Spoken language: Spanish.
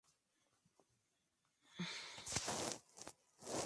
Una de las razones es el material con que están construidas.